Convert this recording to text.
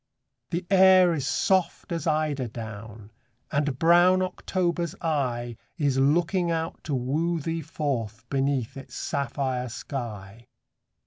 The air is soft as eider down ; And brown October's eye Is looking out to woo thee forth Beneath its sapphire sky.